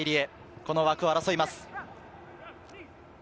この枠を争います。